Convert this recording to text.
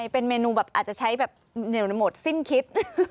เป็นเมนูแบบอาจจะใช้แบบหมดสิ้นคิด